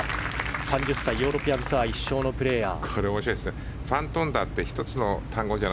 ３０歳、ヨーロピアンツアー１勝のプレーヤー。